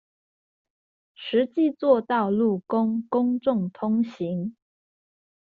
實際作道路供公眾通行